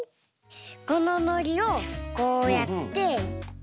こののりをこうやって。